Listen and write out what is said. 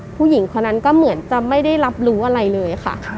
ผู้หญิงคนนั้นก็เหมือนจะไม่ได้รับรู้อะไรเลยค่ะ